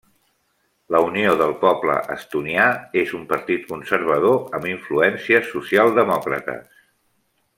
La Unió del Poble Estonià és un partit conservador amb influències socialdemòcrates.